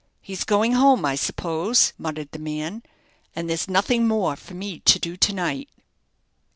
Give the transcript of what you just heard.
"He's going home, I suppose," muttered the man; "and there's nothing more for me to do to night."